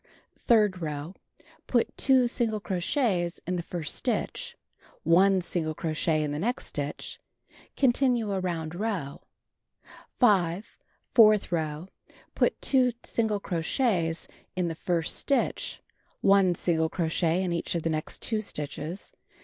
Third row: Put 2 single crochets in the first stitch, 1 single crochet in the next stitch. Continue around row. 5. Fourth row: Put 2 single crochets in the first stitch, 1 single crochet in each of the next 2 stitches.